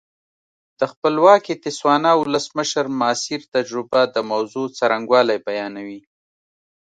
د خپلواکې تسوانا ولسمشر ماسیر تجربه د موضوع څرنګوالی بیانوي.